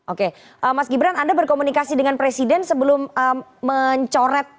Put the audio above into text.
oke mas gibran anda berkomunikasi dengan presiden sebelum mencoret